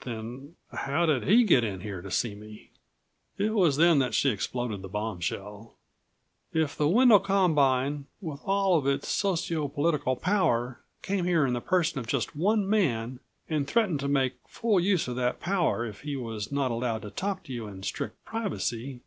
"Then how did he get in here to see me?" It was then that she exploded the bombshell. "If the Wendel Combine, with all of its socio political power, came here in the person of just one man and threatened to make full use of that power if he was not allowed to talk to you in strict privacy